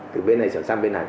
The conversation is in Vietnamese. từ bên này trở sang bên này